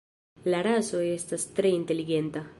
La raso estas tre inteligenta.